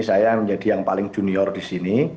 saya menjadi yang paling junior di sini